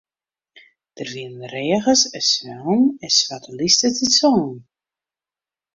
Der wiene reagers en swellen en swarte lysters dy't songen.